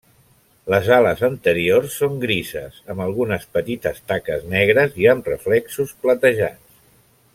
Les ales anteriors són grises amb algunes petites taques negres i amb reflexos platejats.